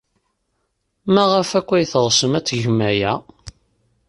Maɣef akk ay teɣsem ad tgem aya?